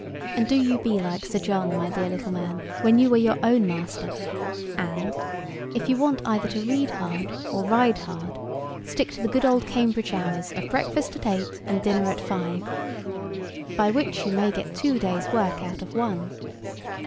And do you be like Sir John, my dear little man, when you are your own master; and, if you want either to read hard or ride hard, stick to the good old Cambridge hours of breakfast at eight and dinner at five; by which you may get two days' work out of one.